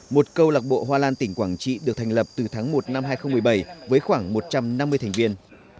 một câu lạc bộ hoa lan tỉnh quảng trị được thành lập từ tháng một năm hai nghìn một mươi bảy với khoảng một trăm năm mươi thành viên